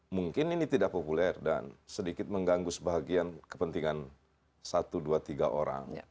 mungkin ini tidak populer dan sedikit mengganggu sebahagian kepentingan satu dua tiga orang